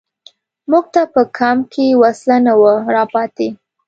موږ ته په کمپ کې وسله نه وه را پاتې.